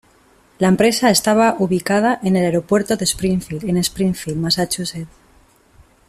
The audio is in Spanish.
La empresa estaba ubicada en el Aeropuerto de Springfield en Springfield, Massachusetts.